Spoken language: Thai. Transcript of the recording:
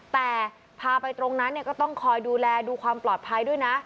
แต่พาไปตรงนั้นก็ต้องคอยดูแลดูความปลอดภัยด้วยนะ